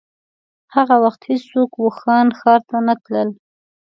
هغه وخت هيڅوک ووهان ښار ته نه تلل.